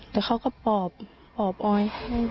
แต่เขาก็ปอบปอบออย